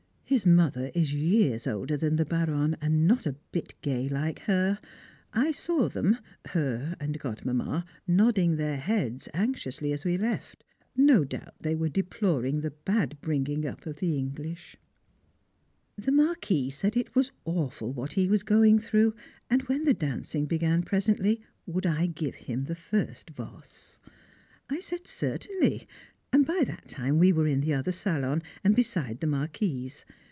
His mother is years older than the Baronne, and not a bit gay like her. I saw them her and Godmamma nodding their heads anxiously as we left; no doubt they were deploring the bad bringing up of the English. [Sidenote: The Fiancés Together] The Marquis said it was awful what he was going through; and when the dancing began presently would I give him the first valse? I said Certainly, and by that time we were in the other salon, and beside the Marquise.